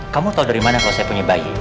kamu tahu dari mana kalau saya punya bayi